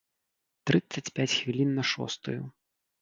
Трыццаць пяць хвілін на шостую.